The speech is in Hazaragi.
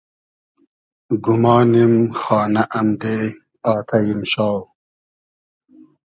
گومانیم خانۂ امدې آتݷ ایمشاو